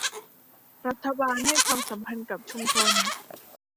รัฐบาลให้ความสำคัญกับชุมชน